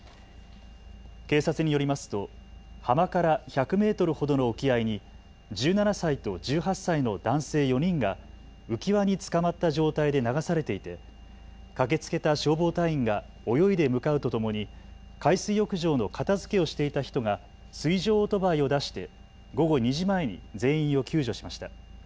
警察によりますと浜から１００メートルほどの沖合に１７歳と１８歳の男性４人が浮き輪につかまった状態で流されていて駆けつけた消防隊員が泳いで向かうとともに海水浴場の片づけをしていた人が水上オートバイを出して午後２時前に全員を救助しました。